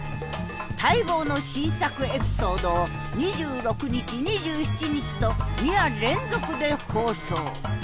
待望の新作エピソードを２６日２７日と２夜連続で放送。